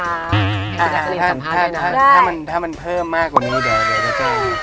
ให้พี่แซ่กรีนสัมภาษณ์ด้วยนะครับได้ถ้ามันเพิ่มมากกว่านี้เดี๋ยวจะได้